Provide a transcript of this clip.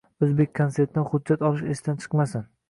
O‘zbekkonsertdan hujjat olish esdan chiqmasin.